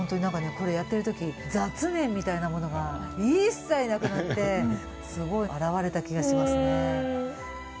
これやってる時雑念みたいなものが一切なくなってすごい洗われた気がしますね。